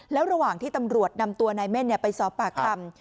แล้วระหว่างที่ตำรวจนำตัวนายเม่นไปสอบปากคำ